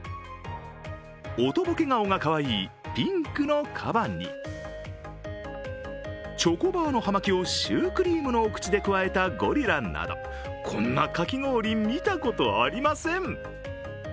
おとぼけ顔がかわいいピンクのカバにチョコバーの葉巻をシュークリームのお口でくわえたゴリラなどこんなかき氷、見たことありません